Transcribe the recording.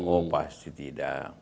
oh pasti tidak